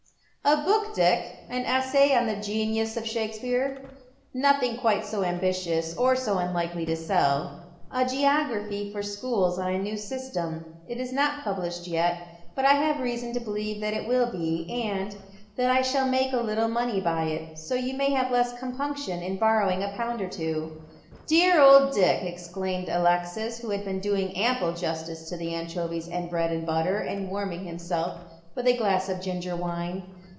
" A book, Dick. An essay on the genius of Shakespeare 1 "" Nothing so ambitious, or so unlikely to sell. A geography for schools, on a new system. It is not published yet, but 1 have reason to believe that it will be, and that I shall make a little money by it. So you may have less compunction in borrowing a pound or two." " Dear old Dick 1 " exclaims Alexis, who has been doing ample justice to the anchovies and bread and butter, and warming him self with a glass of ginger wine.